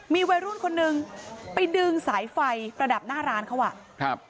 มีวัยรุ่นคนนึงไปดึงสายไฟประดับหน้าร้านเขาอ่ะครับ